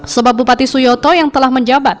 sebab bupati suyoto yang telah menjabat